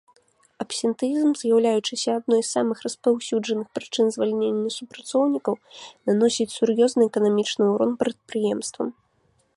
Абсентэізм, з'яўляючыся адной з самых распаўсюджаных прычын звальнення супрацоўнікаў, наносіць сур'ёзны эканамічны ўрон прадпрыемствам.